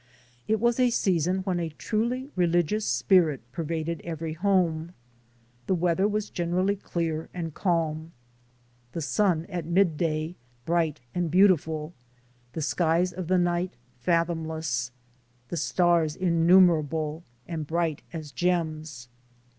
It was a season when a truly religious spirit per vaded every home. The weather was generally clear and calm, the sun at mid day bright and beautiful, A NATIVE OP ANCIENT APULIA 25 the skies of the night fathomless, the stars innumer able and bright as gems.